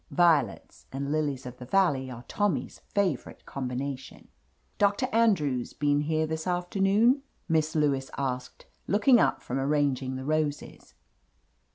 Violets and lilies of the valley are Tommy's favorite combination ! "Doctor Andrews been here this after noon?" Miss Lewis asked, looking up from ar ranging the roses.